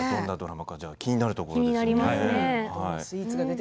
気になるところですね。